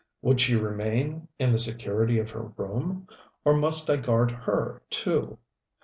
Would she remain in the security of her room, or must I guard her, too?